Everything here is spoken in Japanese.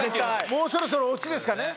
もうそろそろオチですかね。